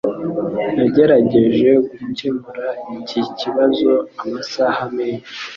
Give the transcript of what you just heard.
Nagerageje gukemura iki kibazo amasaha menshi.